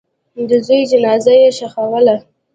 د زوی جنازه یې ښخوله.